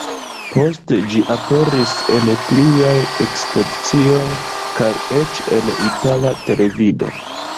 Poste ĝi aperis en pliaj ekspozicioj kaj eĉ en itala televido.